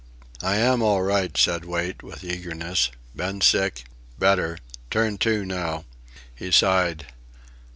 "I am all right," said Wait, with eagerness. "Been sick... better... turn to now." He sighed.